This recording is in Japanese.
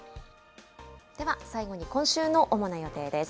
では最後に、今週の主な予定です。